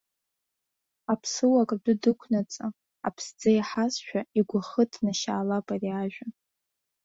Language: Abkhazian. Аԥсуак адәы дықәнаҵы, аԥсӡы иаҳазшәа, игәахы ҭнашьаалап ари ажәа.